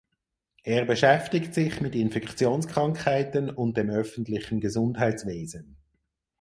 Er beschäftigt sich mit Infektionskrankheiten und dem öffentlichen Gesundheitswesen.